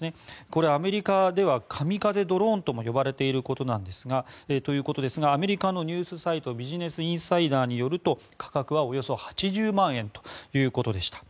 これ、アメリカではカミカゼドローンと呼ばれているということですがアメリカのニュースサイトビジネス・インサイダーによると価格はおよそ８０万円ということでした。